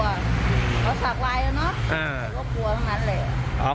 เขาสากลายแล้วเนาะ